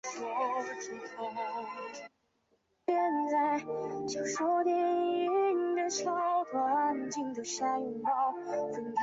菱叶直瓣苣苔为苦苣苔科直瓣苣苔属下的一个种。